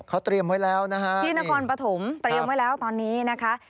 เขาเตรียมไว้แล้วนะฮะที่นครปฐมเตรียมไว้แล้วตอนนี้นะคะ